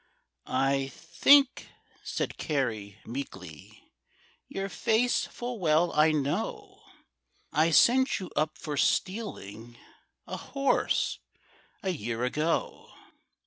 "I think," said Carey meekly, "Your face full well I know,— I sent you up for stealing A horse a year ago."